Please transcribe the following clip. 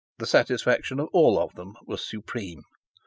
The satisfaction of all of them was supreme.